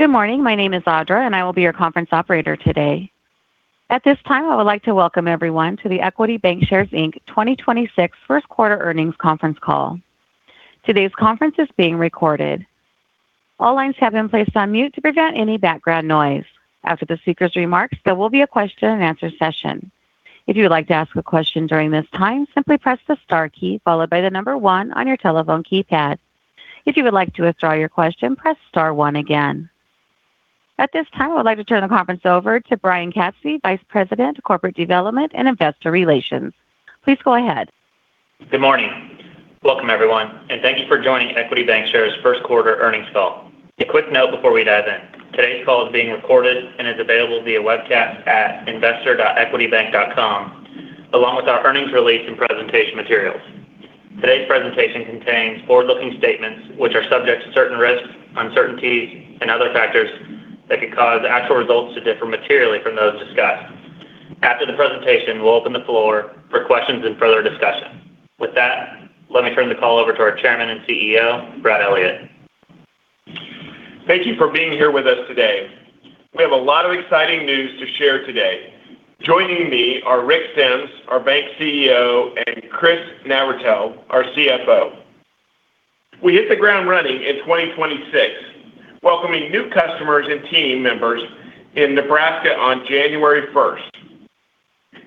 Good morning. My name is Audra, and I will be your conference operator today. At this time, I would like to welcome everyone to the Equity Bancshares, Inc. 2026 first quarter earnings conference call. Today's conference is being recorded. All lines have been placed on mute to prevent any background noise. After the speakers' remarks, there will be a question and answer session. If you would like to ask a question during this time, simply press the star key, followed by the number one on your telephone keypad. If you would like to withdraw your question, press star one again. At this time, I would like to turn the conference over to Brian Katzfey, Vice President of Corporate Development and Investor Relations. Please go ahead. Good morning. Welcome, everyone, and thank you for joining Equity Bancshares' first quarter earnings call. A quick note before we dive in. Today's call is being recorded and is available via webcast at investor.equitybank.com, along with our earnings release and presentation materials. Today's presentation contains forward-looking statements, which are subject to certain risks, uncertainties and other factors that could cause actual results to differ materially from those discussed. After the presentation, we'll open the floor for questions and further discussion. With that, let me turn the call over to our Chairman and CEO, Brad Elliott. Thank you for being here with us today. We have a lot of exciting news to share today. Joining me are Rick Sems, our Bank CEO, and Chris Navratil, our CFO. We hit the ground running in 2026, welcoming new customers and team members in Nebraska on January 1st.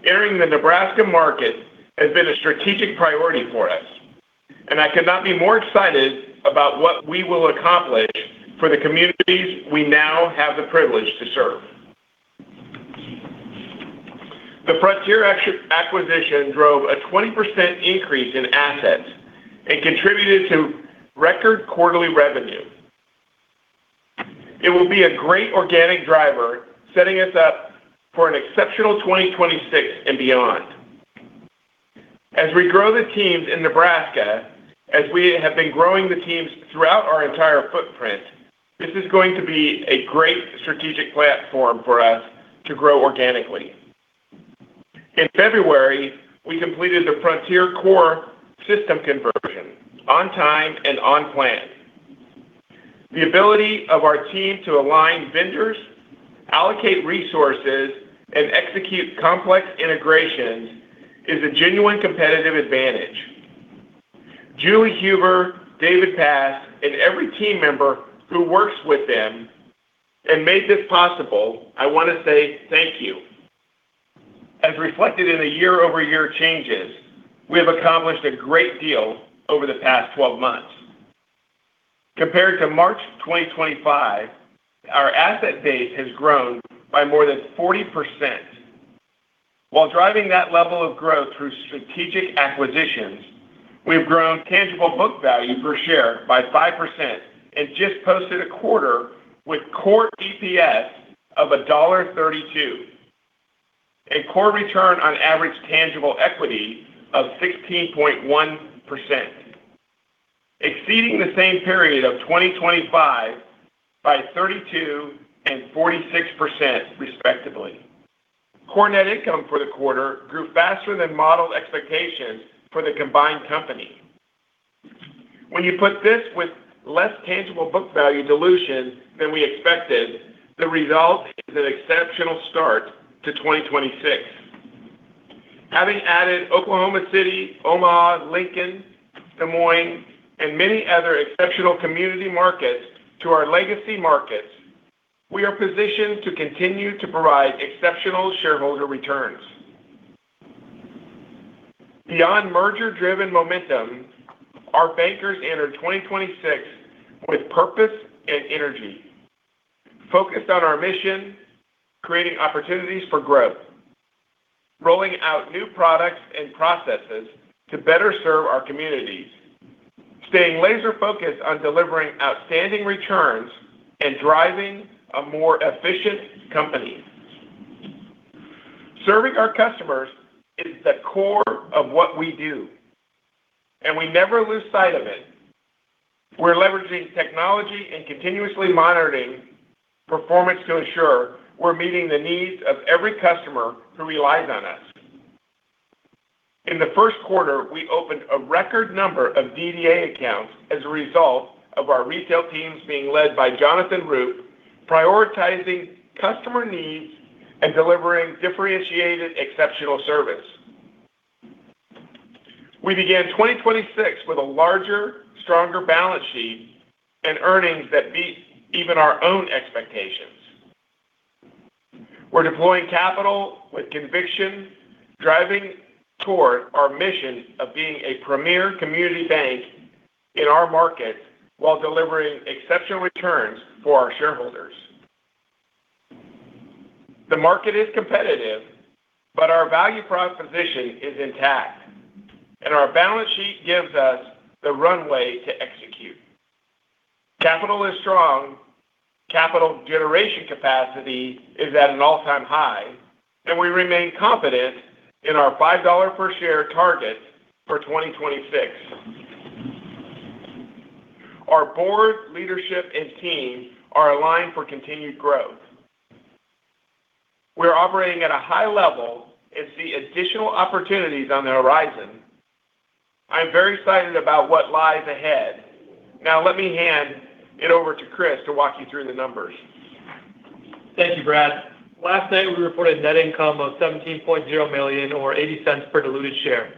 Entering the Nebraska market has been a strategic priority for us, and I could not be more excited about what we will accomplish for the communities we now have the privilege to serve. The Frontier acquisition drove a 20% increase in assets and contributed to record quarterly revenue. It will be a great organic driver, setting us up for an exceptional 2026 and beyond. As we grow the teams in Nebraska, as we have been growing the teams throughout our entire footprint, this is going to be a great strategic platform for us to grow organically. In February, we completed the Frontier core system conversion on time and on plan. The ability of our team to align vendors, allocate resources, and execute complex integrations is a genuine competitive advantage. Julie Huber, David Pass, and every team member who works with them and made this possible, I want to say thank you. As reflected in the year-over-year changes, we have accomplished a great deal over the past 12 months. Compared to March 2025, our asset base has grown by more than 40%. While driving that level of growth through strategic acquisitions, we've grown tangible book value per share by 5% and just posted a quarter with core EPS of $1.32, a core return on average tangible equity of 16.1%, exceeding the same period of 2025 by 32% and 46%, respectively. Core net income for the quarter grew faster than modeled expectations for the combined company. When you put this with less tangible book value dilution than we expected, the result is an exceptional start to 2026. Having added Oklahoma City, Omaha, Lincoln, Des Moines, and many other exceptional community markets to our legacy markets, we are positioned to continue to provide exceptional shareholder returns. Beyond merger-driven momentum, our bankers entered 2026 with purpose and energy, focused on our mission, creating opportunities for growth, rolling out new products and processes to better serve our communities, staying laser-focused on delivering outstanding returns and driving a more efficient company. Serving our customers is the core of what we do, and we never lose sight of it. We're leveraging technology and continuously monitoring performance to ensure we're meeting the needs of every customer who relies on us. In the first quarter, we opened a record number of DDA accounts as a result of our Retail teams being led by Jonathan Roop, prioritizing customer needs and delivering differentiated, exceptional service. We began 2026 with a larger, stronger balance sheet and earnings that beat even our own expectations. We're deploying capital with conviction, driving toward our mission of being a premier community bank in our market while delivering exceptional returns for our shareholders. The market is competitive, but our value proposition is intact, and our balance sheet gives us the runway to execute. Capital is strong, capital generation capacity is at an all-time high, and we remain confident in our $5 per share target for 2026. Our Board, leadership, and team are aligned for continued growth. operating at a high level and see additional opportunities on the horizon. I am very excited about what lies ahead. Now let me hand it over to Chris to walk you through the numbers. Thank you, Brad. Last night we reported net income of $17.0 million, or $0.80 per diluted share.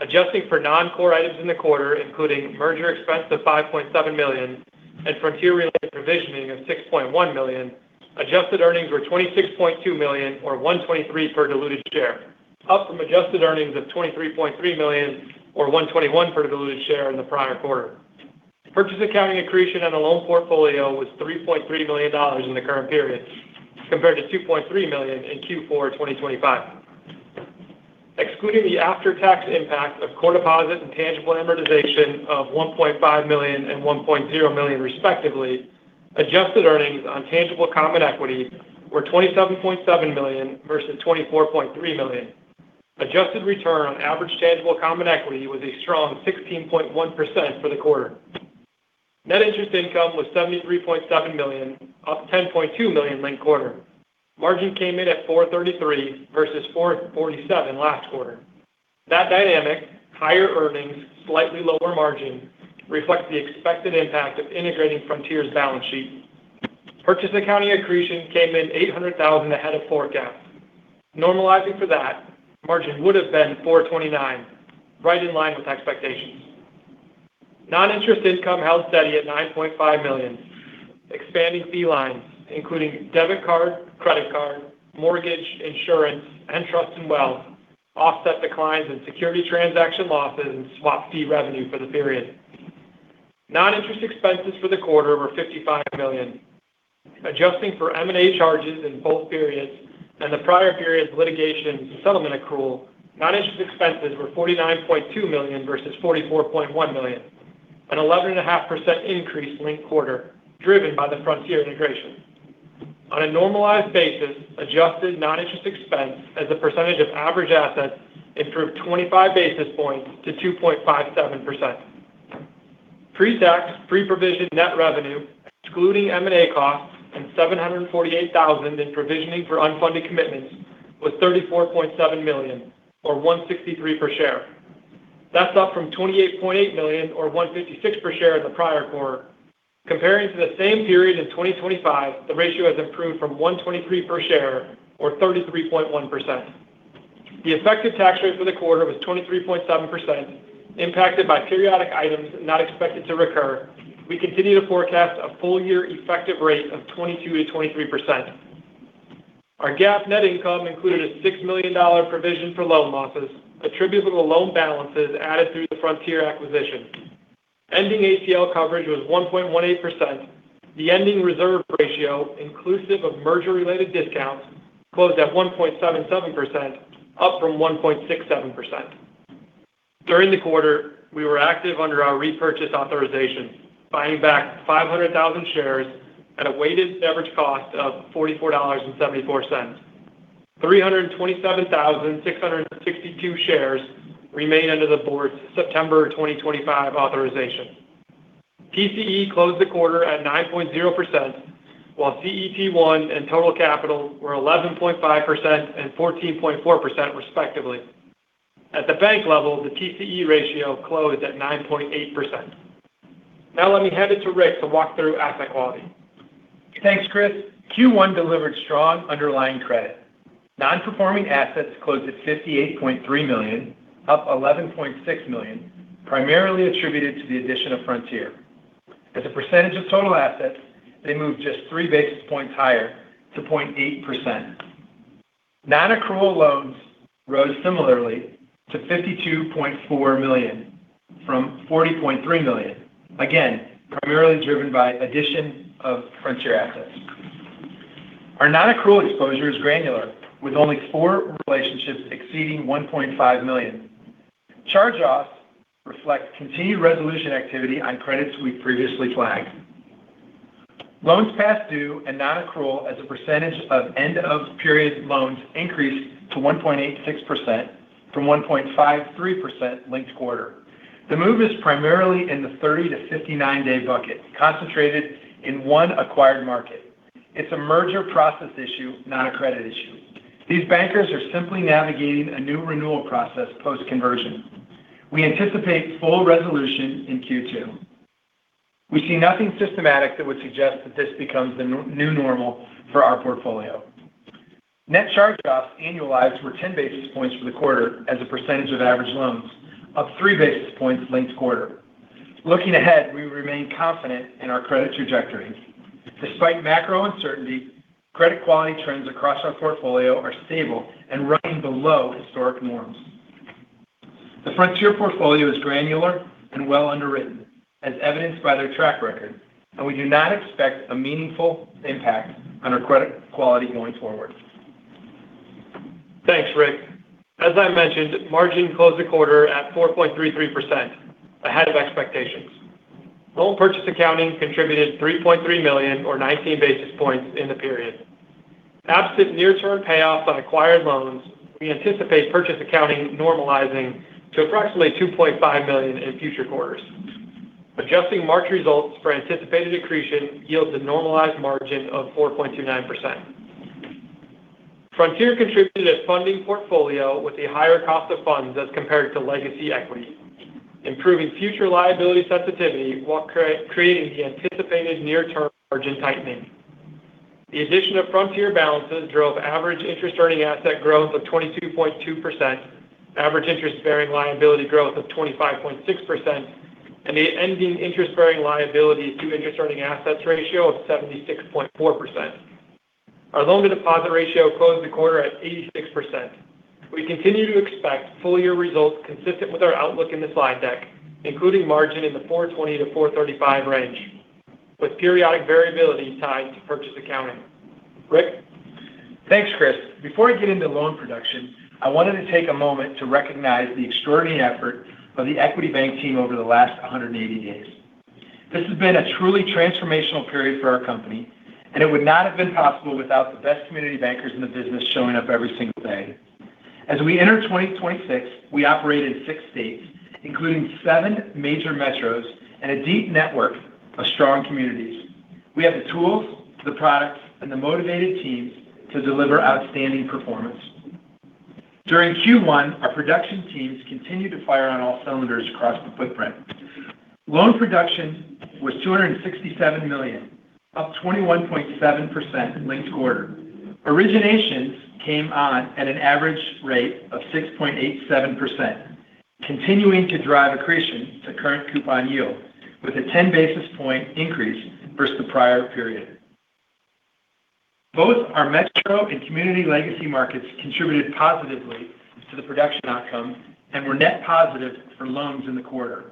Adjusting for non-core items in the quarter, including merger expense of $5.7 million and Frontier-related provisioning of $6.1 million, adjusted earnings were $26.2 million or $1.23 per diluted share, up from adjusted earnings of $23.3 million or $1.21 per diluted share in the prior quarter. Purchase accounting accretion on the loan portfolio was $3.3 million in the current period, compared to $2.3 million in Q4 2025. Excluding the after-tax impact of core deposit and intangible amortization of $1.5 million and $1.0 million respectively, adjusted earnings on tangible common equity were $27.7 million versus $24.3 million. Adjusted return on average tangible common equity was a strong 16.1% for the quarter. Net interest income was $73.7 million, up $10.2 million linked-quarter. Margin came in at 4.33% versus 4.47% last quarter. That dynamic, higher earnings, slightly lower margin reflects the expected impact of integrating Frontier's balance sheet. Purchase accounting accretion came in $800,000 ahead of forecast. Normalizing for that, margin would have been 4.29%, right in line with expectations. Non-interest income held steady at $9.5 million. Expanding fee lines including debit card, credit card, mortgage, insurance, and trust and wealth offset declines in security transaction losses and swap fee revenue for the period. Non-interest expenses for the quarter were $55 million. Adjusting for M&A charges in both periods and the prior period's litigation settlement accrual, non-interest expenses were $49.2 million versus $44.1 million, an 11.5% increase linked-quarter, driven by the Frontier integration. On a normalized basis, adjusted non-interest expense as a percentage of average assets improved 25 basis points to 2.57%. Pre-tax, pre-provision net revenue excluding M&A costs and $748,000 in provisioning for unfunded commitments was $34.7 million or $1.63 per share. That's up from $28.8 million or $1.56 per share in the prior quarter. Comparing to the same period in 2025, the ratio has improved from $1.23 per share or 33.1%. The effective tax rate for the quarter was 23.7%, impacted by periodic items not expected to recur. We continue to forecast a full year effective rate of 22%-23%. Our GAAP net income included a $6 million provision for loan losses attributable to loan balances added through the Frontier acquisition. Ending ACL coverage was 1.18%. The ending reserve ratio, inclusive of merger-related discounts, closed at 1.77%, up from 1.67%. During the quarter, we were active under our repurchase authorization, buying back 500,000 shares at a weighted average cost of $44.74. 327,662 shares remain under the board's September 2025 authorization. TCE closed the quarter at 9.0%, while CET1 and total capital were 11.5% and 14.4% respectively. At the bank level, the TCE ratio closed at 9.8%. Now let me hand it to Rick to walk through asset quality. Thanks, Chris. Q1 delivered strong underlying credit. Non-performing assets closed at $58.3 million, up $11.6 million, primarily attributed to the addition of Frontier. As a percentage of total assets, they moved just three basis points higher to 0.8%. Non-accrual loans rose similarly to $52.4 million from $40.3 million, again, primarily driven by addition of Frontier assets. Our non-accrual exposure is granular, with only four relationships exceeding $1.5 million. Charge-offs reflect continued resolution activity on credits we previously flagged. Loans past due and non-accrual as a percentage of end of period loans increased to 1.86% from 1.53% linked quarter. The move is primarily in the 30-59-day bucket, concentrated in one acquired market. It's a merger process issue, not a credit issue. These bankers are simply navigating a new renewal process post-conversion. We anticipate full resolution in Q2. We see nothing systematic that would suggest that this becomes the new normal for our portfolio. Net charge-offs annualized were 10 basis points for the quarter as a percentage of average loans, up three basis points linked-quarter. Looking ahead, we remain confident in our credit trajectory. Despite macro uncertainty, credit quality trends across our portfolio are stable and running below historic norms. The Frontier portfolio is granular and well underwritten, as evidenced by their track record, and we do not expect a meaningful impact on our credit quality going forward. Thanks, Rick. As I mentioned, margin closed the quarter at 4.33%, ahead of expectations. Loan purchase accounting contributed $3.3 million or 19 basis points in the period. Absent near-term payoffs on acquired loans, we anticipate purchase accounting normalizing to approximately $2.5 million in future quarters. Adjusting March results for anticipated accretion yields a normalized margin of 4.29%. Frontier contributed a funding portfolio with a higher cost of funds as compared to legacy Equity, improving future liability sensitivity while creating the anticipated near-term margin tightening. The addition of Frontier balances drove average interest-earning asset growth of 22.2%, average interest-bearing liability growth of 25.6%, and the ending interest-bearing liabilities to interest-earning assets ratio of 76.4%. Our loan-to-deposit ratio closed the quarter at 86%. We continue to expect full-year results consistent with our outlook in the slide deck, including margin in the 420-435 range with periodic variability tied to purchase accounting. Rick? * Thanks, Chris. Before I get into loan production, I wanted to take a moment to recognize the extraordinary effort of the Equity Bank team over the last 180 days. This has been a truly transformational period for our company, and it would not have been possible without the best community bankers in the business showing up every single day. As we enter 2026, we operate in six states, including seven major metros and a deep network of strong communities. We have the tools, the products, and the motivated teams to deliver outstanding performance. During Q1, our production teams continued to fire on all cylinders across the footprint. Loan production was $267 million, up 21.7% linked quarter. Originations came on at an average rate of 6.87%, continuing to drive accretion to current coupon yield with a 10 basis point increase versus the prior period. Both our metro and community legacy markets contributed positively to the production outcome and were net positive for loans in the quarter.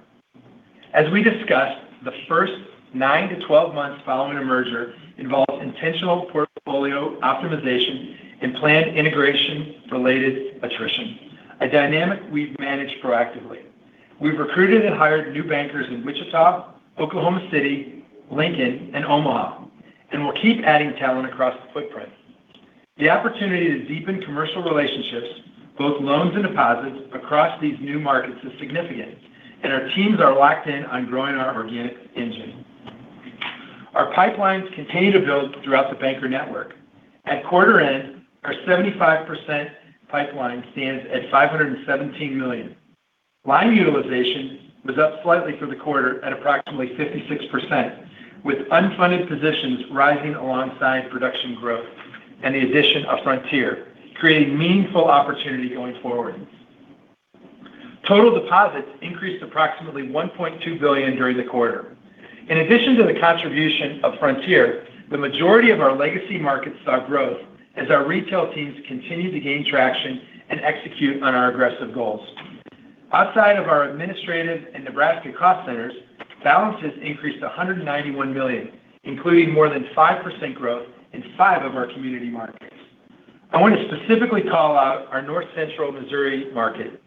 As we discussed, the first nine to 12 months following a merger involves intentional portfolio optimization and planned integration-related attrition, a dynamic we've managed proactively. We've recruited and hired new bankers in Wichita, Oklahoma City, Lincoln, and Omaha, and we'll keep adding talent across the footprint. The opportunity to deepen commercial relationships, both loans and deposits across these new markets is significant, and our teams are locked in on growing our organic engine. Our pipelines continue to build throughout the banker network. At quarter end, our 75% pipeline stands at $517 million. Line utilization was up slightly for the quarter at approximately 56%, with unfunded positions rising alongside production growth and the addition of Frontier, creating meaningful opportunity going forward. Total deposits increased approximately $1.2 billion during the quarter. In addition to the contribution of Frontier, the majority of our legacy markets saw growth as our retail teams continued to gain traction and execute on our aggressive goals. Outside of our administrative and Nebraska cost centers, balances increased to $191 million, including more than 5% growth in five of our community markets. I want to specifically call out our North Central Missouri market,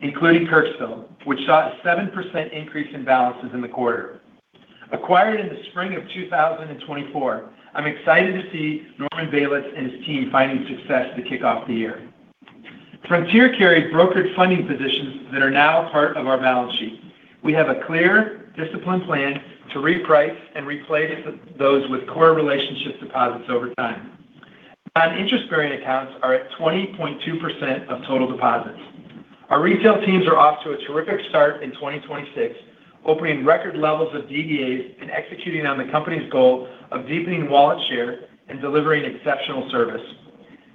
including Kirksville, which saw a 7% increase in balances in the quarter. Acquired in the spring of 2024, I'm excited to see Norman Baylis and his team finding success to kick off the year. Frontier carried brokered funding positions that are now part of our balance sheet. We have a clear, disciplined plan to reprice and replace those with core relationship deposits over time. Non-interest-bearing accounts are at 20.2% of total deposits. Our retail teams are off to a terrific start in 2026, opening record levels of DDAs and executing on the Company's goal of deepening wallet share and delivering exceptional service.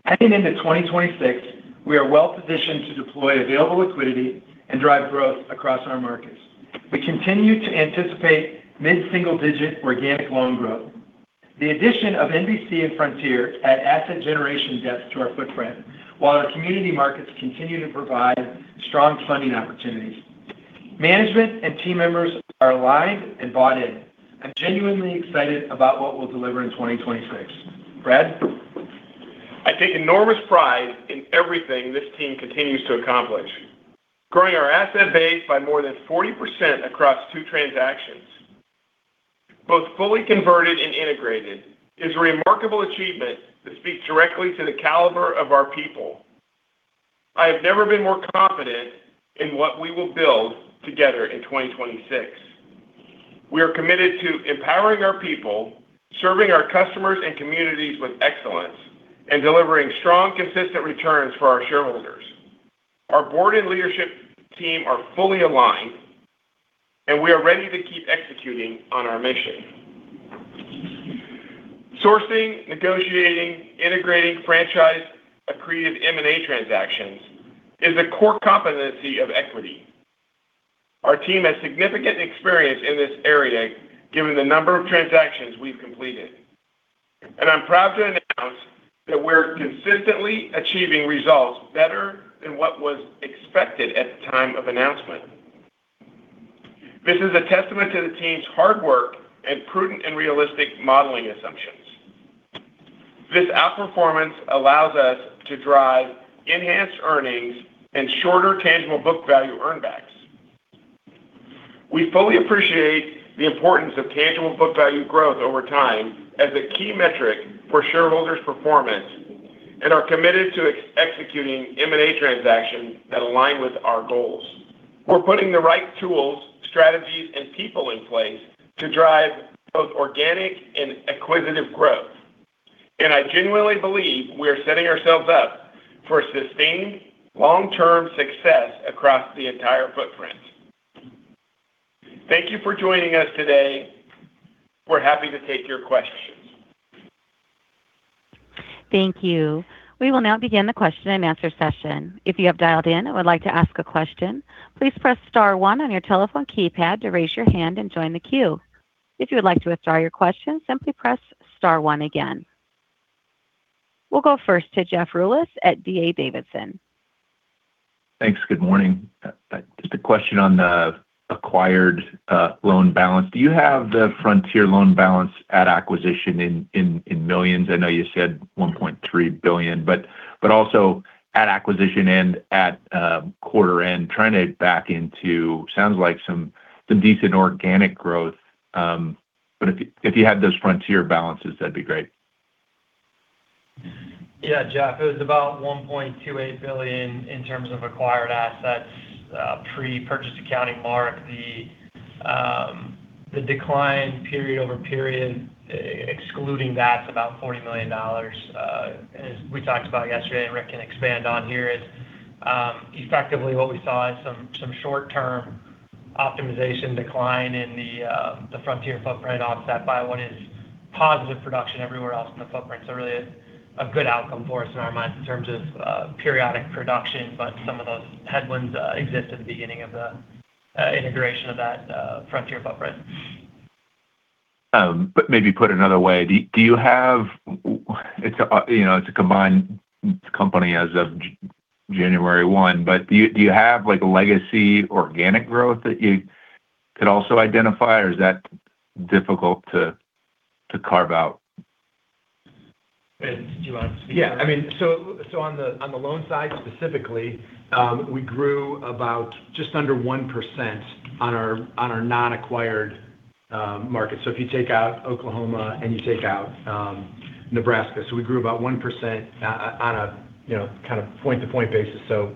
Heading into 2026, we are well-positioned to deploy available liquidity and drive growth across our markets. We continue to anticipate mid-single-digit organic loan growth. The addition of NBC and Frontier add asset generation depth to our footprint, while our community markets continue to provide strong funding opportunities. Management and team members are aligned and bought in. I'm genuinely excited about what we'll deliver in 2026. Brad? I take enormous pride in everything this team continues to accomplish. Growing our asset base by more than 40% across two transactions, both fully converted and integrated, is a remarkable achievement that speaks directly to the caliber of our people. I have never been more confident in what we will build together in 2026. We are committed to empowering our people, serving our customers and communities with excellence, and delivering strong, consistent returns for our shareholders. Our Board and Leadership Team are fully aligned, and we are ready to keep executing on our mission. Sourcing, negotiating, integrating franchise accretive M&A transactions is a core competency of Equity. Our team has significant experience in this area given the number of transactions we've completed. I'm proud to announce that we're consistently achieving results better than what was expected at the time of announcement. This is a testament to the team's hard work and prudent and realistic modeling assumptions. This outperformance allows us to drive enhanced earnings and shorter tangible book value earnbacks. We fully appreciate the importance of tangible book value growth over time as a key metric for shareholders' performance and are committed to executing M&A transactions that align with our goals. We're putting the right tools, strategies, and people in place to drive both organic and acquisitive growth. I genuinely believe we are setting ourselves up for sustained long-term success across the entire footprint. Thank you for joining us today. We're happy to take your questions. Thank you. We will now begin the question and answer session. If you have dialed in and would like to ask a question, please press star one on your telephone keypad to raise your hand and join the queue. If you would like to withdraw your question, simply press star one again. We'll go first to Jeff Rulis at D.A. Davidson. Thanks. Good morning. Just a question on the acquired loan balance. Do you have the Frontier loan balance at acquisition in millions? I know you said $1.3 billion, but also at acquisition end, at quarter end, trying to back into, sounds like some decent organic growth. If you had those Frontier balances, that'd be great. Yeah, Jeff, it was about $1.28 billion in terms of acquired assets, pre-purchase accounting mark. The decline period-over-period, excluding that, is about $40 million. As we talked about yesterday, and Rick can expand on here, is effectively what we saw is some short-term optimization decline in the Frontier footprint offset by what is positive production everywhere else in the footprint. Really a good outcome for us in our minds in terms of periodic production, but some of those headwinds exist at the beginning of the integration of that Frontier footprint. Maybe put another way, it's a combined company as of January one, but do you have legacy organic growth that you could also identify? Is that difficult to carve out? Chris, do you want to speak to that? Yeah. On the loan side specifically, we grew about just under 1% on our non-acquired markets if you take out Oklahoma and you take out Nebraska. We grew about 1% on a kind of point-to-point basis. That's 3%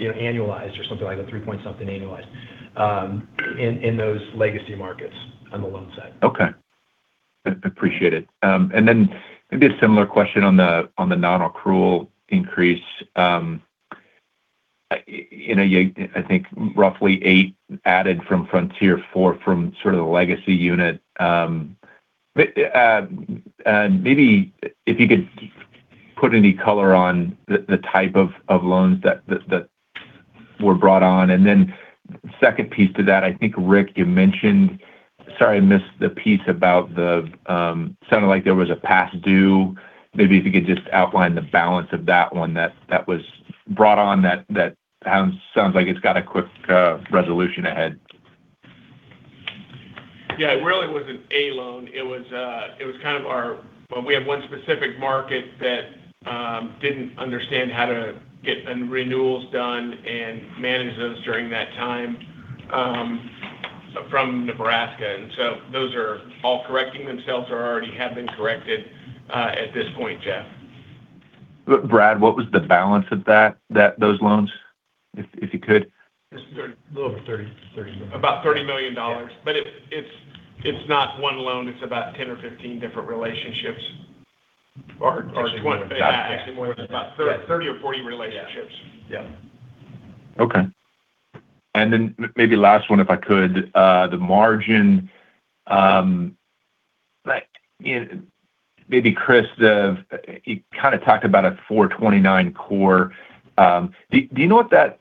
annualized or something like that, 3 point something annualized in those legacy markets on the loan side. Okay. Appreciate it. Maybe a similar question on the non-accrual increase. I think roughly eight added from Frontier, four from sort of the legacy unit. Maybe if you could put any color on the type of loans that were brought on. Second piece to that, I think, Rick, you mentioned, sorry, I missed the piece about, sounded like there was a past due. Maybe if you could just outline the balance of that one that was brought on that sounds like it's got a quick resolution ahead. Yeah. It really wasn't a loan. We have one specific market that didn't understand how to get renewals done and manage those during that time from Nebraska. Those are all correcting themselves or already have been corrected at this point, Jeff. Brad, what was the balance of those loans, if you could? It's a little over 30. About $30 million. Yeah. It's not one loan. It's about 10 or 15 different relationships. Relationships. Actually more than that, 30 or 40 relationships. Yeah. Okay. Maybe last one, if I could, the margin. Maybe Chris, you kind of talked about a 4.29% core. Do you know what that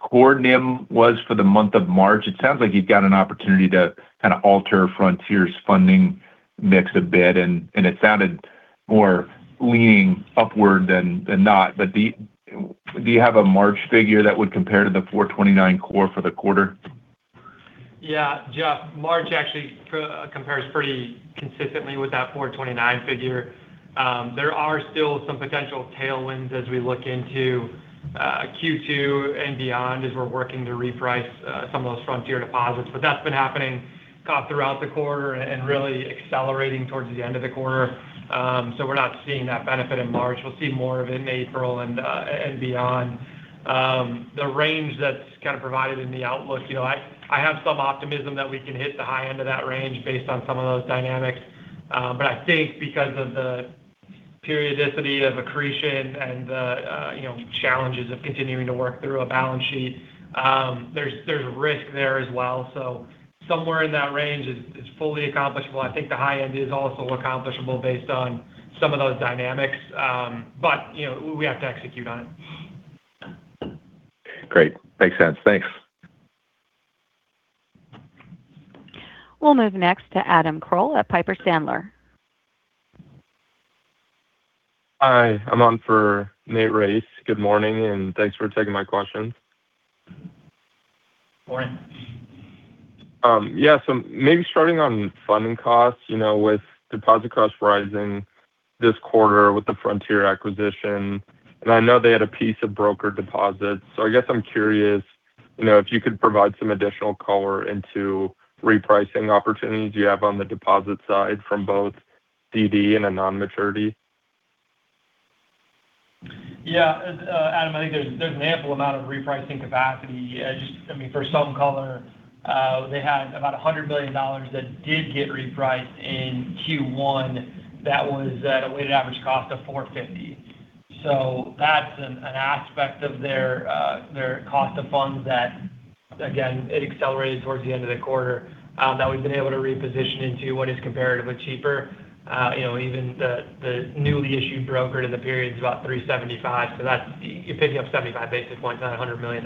core NIM was for the month of March? It sounds like you've got an opportunity to kind of alter Frontier's funding mix a bit, and it sounded more leaning upward than not. Do you have a March figure that would compare to the 4.29% core for the quarter? Yeah, Jeff, March actually compares pretty consistently with that 429 figure. There are still some potential tailwinds as we look into Q2 and beyond as we're working to reprice some of those Frontier deposits. That's been happening kind of throughout the quarter and really accelerating towards the end of the quarter. We're not seeing that benefit in March. We'll see more of it in April and beyond. The range that's kind of provided in the outlook, I have some optimism that we can hit the high end of that range based on some of those dynamics. I think because of the periodicity of accretion and the challenges of continuing to work through a balance sheet, there's risk there as well. Somewhere in that range is fully accomplishable. I think the high end is also accomplishable based on some of those dynamics. We have to execute on it. Great. Makes sense. Thanks. We'll move next to Adam Cowell at Piper Sandler. Hi. I'm on for Nate Race. Good morning, and thanks for taking my questions. Morning. Yeah. Maybe starting on funding costs, with deposit costs rising this quarter with the Frontier acquisition, and I know they had a piece of brokered deposits. I guess I'm curious. If you could provide some additional color into repricing opportunities you have on the deposit side from both DDA and a non-maturity? Yeah. Adam, I think there's an ample amount of repricing capacity. Just for some color, they had about $100 billion that did get repriced in Q1 that was at a weighted average cost of 450. So that's an aspect of their cost of funds that, again, it accelerated towards the end of the quarter that we've been able to reposition into what is comparatively cheaper. Even the newly issued brokered in the period is about 375. So you're picking up 75 basis points on $100 million.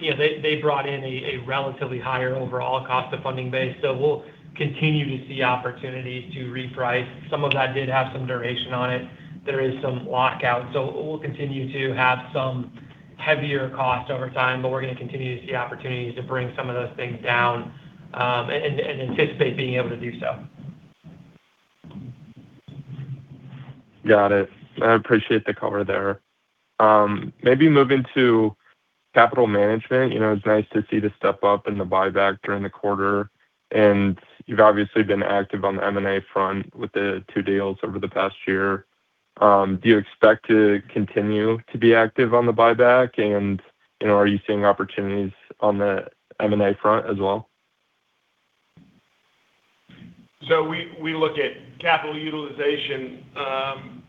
They brought in a relatively higher overall cost of funding base. So we'll continue to see opportunities to reprice. Some of that did have some duration on it. There is some lockout. So we'll continue to have some heavier cost over time, but we're going to continue to see opportunities to bring some of those things down and anticipate being able to do so. Got it. I appreciate the color there. Maybe moving to capital management, it's nice to see the step up in the buyback during the quarter, and you've obviously been active on the M&A front with the two deals over the past year. Do you expect to continue to be active on the buyback? Are you seeing opportunities on the M&A front as well? We look at capital utilization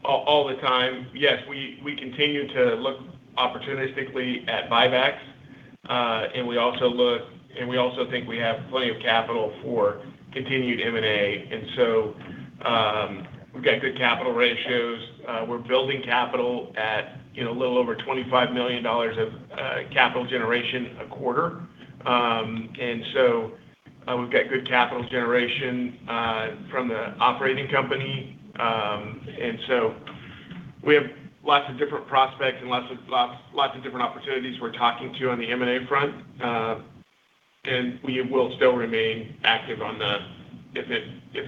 all the time. Yes, we continue to look opportunistically at buybacks. We also think we have plenty of capital for continued M&A. We've got good capital ratios. We're building capital at a little over $25 million of capital generation a quarter. We've got good capital generation from the operating company. We have lots of different prospects and lots of different opportunities we're talking to on the M&A front. We will still remain active if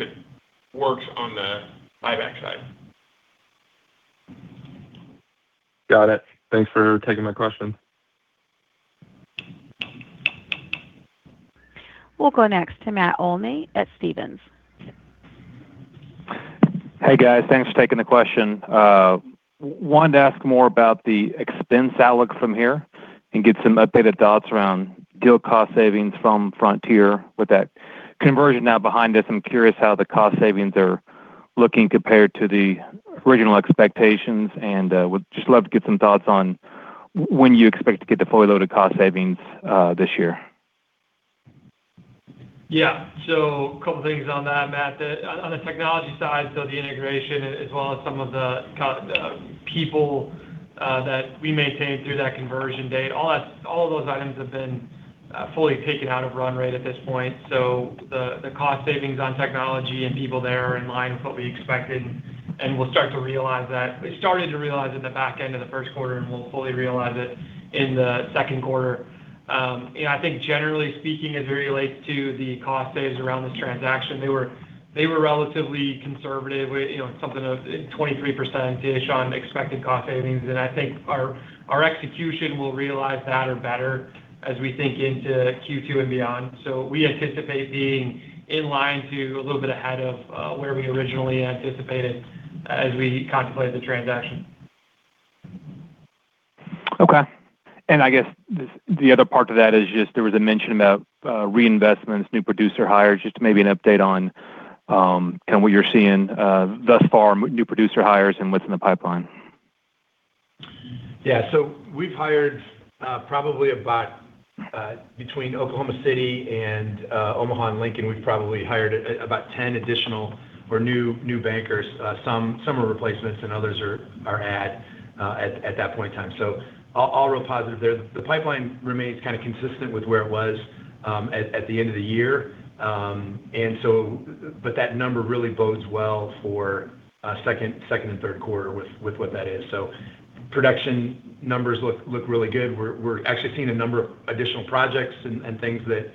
it works on the buyback side. Got it. Thanks for taking my question. We'll go next to Matt Olney at Stephens. Hey, guys. Thanks for taking the question. I wanted to ask more about the expense outlook from here and get some updated thoughts around deal cost savings from Frontier. With that conversion now behind us, I'm curious how the cost savings are looking compared to the original expectations and would just love to get some thoughts on when you expect to get the fully loaded cost savings this year. Yeah. A couple things on that, Matt. On the technology side, so the integration as well as some of the people that we maintained through that conversion date, all of those items have been fully taken out of run rate at this point. The cost savings on technology and people there are in line with what we expected, and we started to realize in the back end of the first quarter, and we'll fully realize it in the second quarter. I think generally speaking, as it relates to the cost saves around this transaction, they were relatively conservative, something of 23%-ish on expected cost savings. I think our execution will realize that or better as we think into Q2 and beyond. We anticipate being in line to a little bit ahead of where we originally anticipated as we contemplated the transaction. Okay. I guess the other part to that is just there was a mention about reinvestments, new producer hires, just maybe an update on kind of what you're seeing thus far, new producer hires and what's in the pipeline. Yeah. Between Oklahoma City and Omaha and Lincoln, we've probably hired about 10 additional or new bankers. Some are replacements and others are adds at that point in time. All real positive there. The pipeline remains kind of consistent with where it was at the end of the year. That number really bodes well for second and third quarter with what that is. Production numbers look really good. We're actually seeing a number of additional projects and things that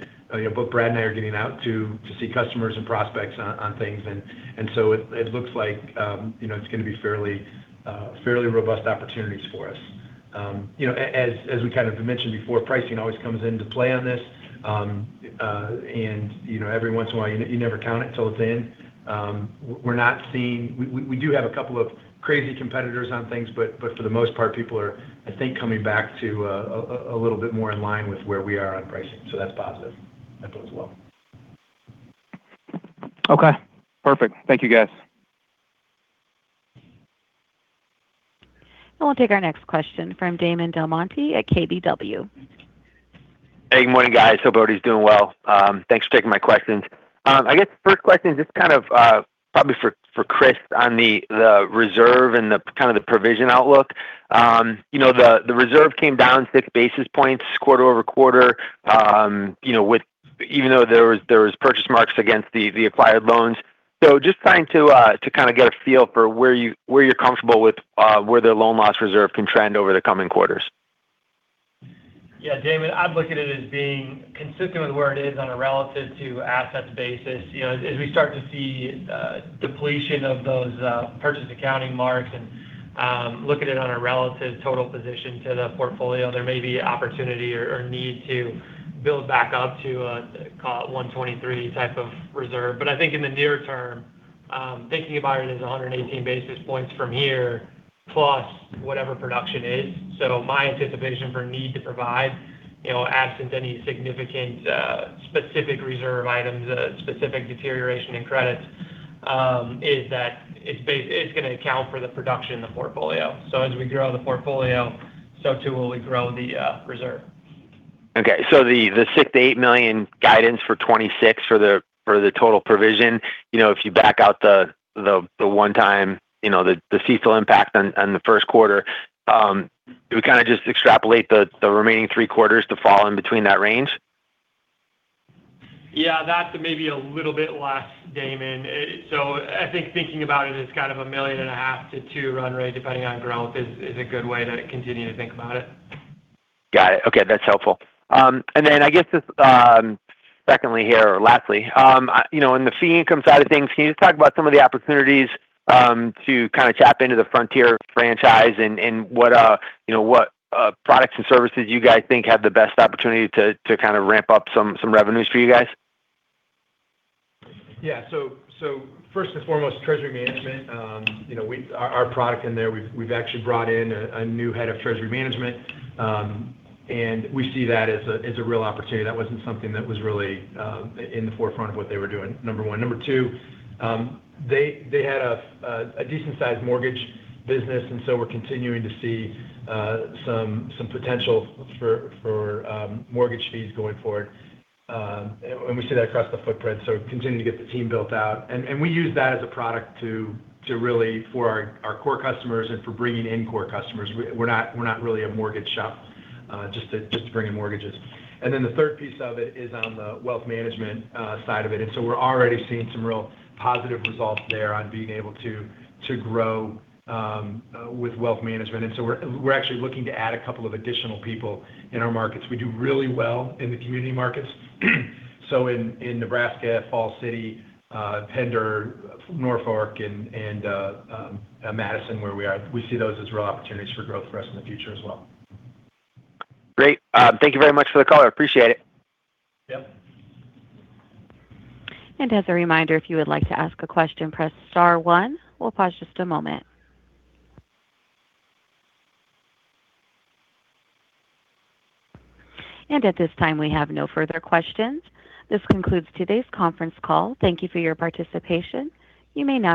both Brad and I are getting out to see customers and prospects on things. It looks like it's going to be fairly robust opportunities for us. As we kind of mentioned before, pricing always comes into play on this. Every once in a while, you never count it till it's in. We do have a couple of crazy competitors on things, but for the most part, people are, I think, coming back to a little bit more in line with where we are on pricing. That's positive. That goes well. Okay, perfect. Thank you, guys. We'll take our next question from Damon Del Monte at KBW. Hey, good morning, guys. Hope everybody's doing well. Thanks for taking my questions. I guess first question is just kind of probably for Chris on the reserve and the kind of the provision outlook. The reserve came down six basis points quarter-over-quarter even though there was purchase marks against the acquired loans. Just trying to kind of get a feel for where you're comfortable with where the loan loss reserve can trend over the coming quarters. Yeah, Damon, I'd look at it as being consistent with where it is on a relative to assets basis. As we start to see depletion of those purchase accounting marks and looking at it on a relative total position to the portfolio, there may be opportunity or need to build back up to a 123 type of reserve. I think in the near term, thinking about it as 118 basis points from here plus whatever production is. My anticipation for need to provide, absent any significant specific reserve items, specific deterioration in credits, is that it's going to account for the production in the portfolio. As we grow the portfolio, so too will we grow the reserve. Okay. The $6 million-$8 million guidance for 2026 for the total provision, if you back out the one-time, the CECL impact on the first quarter, do we kind of just extrapolate the remaining three quarters to fall in between that range? Yeah, that's maybe a little bit less, Damon. I think thinking about it as kind of a million and a half to $2 million run rate, depending on growth, is a good way to continue to think about it. Got it. Okay. That's helpful. I guess just secondly here or lastly, on the fee income side of things, can you just talk about some of the opportunities to kind of tap into the Frontier franchise and what products and services you guys think have the best opportunity to kind of ramp up some revenues for you guys? Yeah. First and foremost, Treasury Management. Our product in there, we've actually brought in a new Head of Treasury Management, and we see that as a real opportunity. That wasn't something that was really in the forefront of what they were doing, number one. Number two, they had a decent-sized mortgage business, and so we're continuing to see some potential for mortgage fees going forward. We see that across the footprint. Continuing to get the team built out. We use that as a product for our core customers and for bringing in core customers. We're not really a mortgage shop just to bring in mortgages. The third piece of it is on the Wealth Management side of it. We're already seeing some real positive results there on being able to grow with Wealth Management. We're actually looking to add a couple of additional people in our markets. We do really well in the community markets. In Nebraska, Falls City, Pender, Norfolk, and Madison, where we are, we see those as real opportunities for growth for us in the future as well. Great. Thank you very much for the call. I appreciate it. Yep. As a reminder, if you would like to ask a question, press star one. We'll pause just a moment. At this time, we have no further questions. This concludes today's conference call. Thank you for your participation. You may now disconnect.